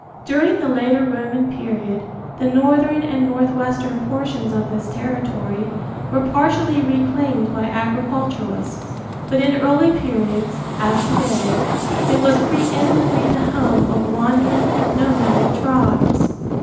During the later Roman period the northern and northwestern portions of this territory were partially reclaimed by agriculturalists; but in early periods, as to day, it was pre eminently the home of wandering, nomadic tribes.